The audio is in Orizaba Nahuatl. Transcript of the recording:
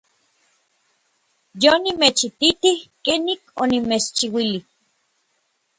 Yonimechititij kenik onimechchiuilij.